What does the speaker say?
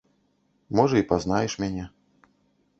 Можа і пазнаеш мяне.